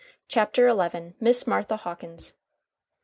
] CHAPTER XI MISS MARTHA HAWKINS.